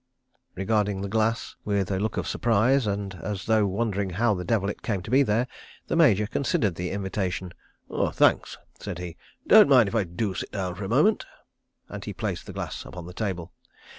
Regarding The Glass with a look of surprise, and as though wondering how the devil it came to be there, the Major considered the invitation. "Thanks!" said he. "Don't mind if I do sit down for a moment." And he placed The Glass upon the table.